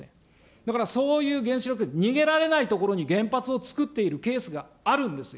だから、そういう原子力、逃げられない所に原発をつくっているケースがあるんですよ。